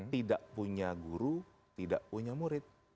tidak punya guru tidak punya murid